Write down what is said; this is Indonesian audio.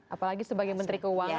apalagi sebagai menteri keuangan